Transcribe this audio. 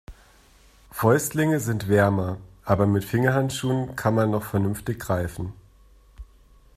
Fäustlinge sind wärmer, aber mit Fingerhandschuhen kann man noch vernünftig greifen.